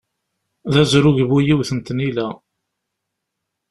D azrug bu-yiwet n tnila.